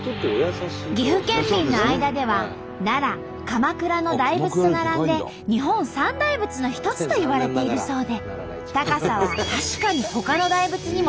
岐阜県民の間では奈良鎌倉の大仏と並んで日本三大仏の一つといわれているそうで高さは確かにほかの大仏にも引けを取りません！